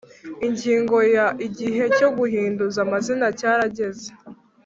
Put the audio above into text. Ingingo ya Igihe cyo guhinduza amazina cyarageze